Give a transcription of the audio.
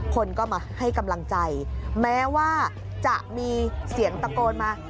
คนก็มาให้กำลังใจแม้ว่าจะมีเสียงตะโกนมา